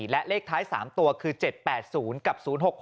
และเลขท้าย๓ตัวคือ๗๘๐กับ๐๖๖